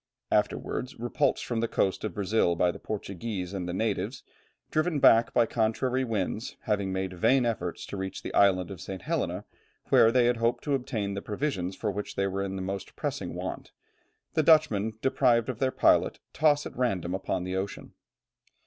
Afterwards, repulsed from the coast of Brazil by the Portuguese and the natives, driven back by contrary winds, having made vain efforts to reach the island of St. Helena, where they had hoped to obtain the provisions of which they were in the most pressing want, the Dutchmen, deprived of their pilot, toss at random upon the ocean.